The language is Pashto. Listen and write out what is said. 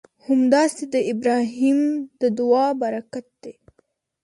همداسې د ابراهیم د دعا برکت دی.